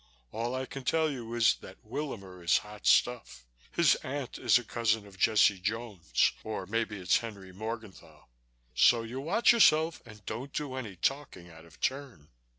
All I can tell you is that Willamer is hot stuff. His aunt is a cousin of Jesse Jones or maybe it's Henry Morgenthau. So you watch yourself and don't do any talking out of turn."